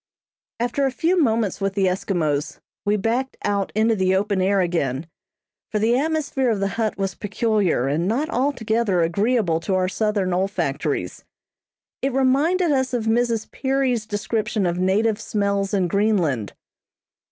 After a few moments with the Eskimos, we backed out into the open air again, for the atmosphere of the hut was peculiar, and not altogether agreeable to our southern olfactories. It reminded us of Mrs. Peary's description of native smells in Greenland.